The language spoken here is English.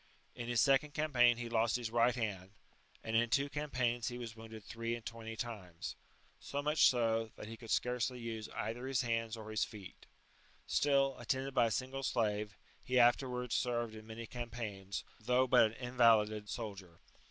In his second campaign he lost his right hand ; and in two campaigns he was wounded three and twenty times ; so much so, that he could scarcely use either his hands or his feet; still, attended by a single slave, he afterwards served in many campaigns, though but an invalided soldier.